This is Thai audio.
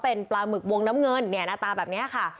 เป็นปลาหมึกวงน้ำเงินเนี่ยหน้าตาแบบนี้ค่ะ